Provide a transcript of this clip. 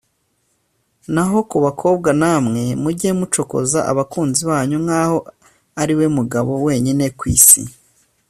naho ku bakobwa namwe mujye mucokoza abakunzi banyu nkaho ariwe mugabo wenyine ku isi